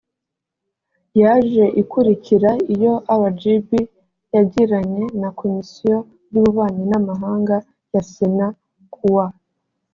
yaje ikurikira iyo rgb yagiranye na komisiyo y ububanyi n amahanga ya sena ku wa